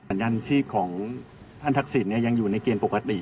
สัญญาณชีพของท่านทักษิณยังอยู่ในเกณฑ์ปกติ